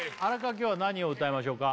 今日は何を歌いましょうか？